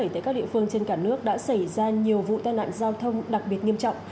tại các địa phương trên cả nước đã xảy ra nhiều vụ tai nạn giao thông đặc biệt nghiêm trọng